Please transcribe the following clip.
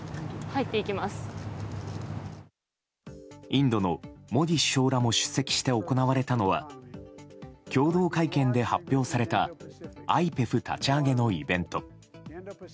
インドのモディ首相らも出席して行われたのは共同会見で発表されたＩＰＥＦ立ち上げのイベント。